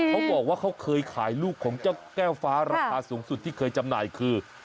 เขาบอกว่าเขาเคยขายลูกของเจ้าแก้วฟ้าราคาสูงสุดที่เคยจำหน่ายคือ